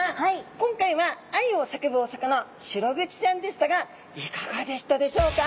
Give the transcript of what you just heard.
今回は愛を叫ぶお魚シログチちゃんでしたがいかがでしたでしょうか？